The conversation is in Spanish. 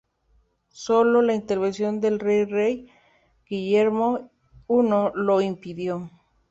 Sólo la intervención de rey Rey Guillermo I lo impidió.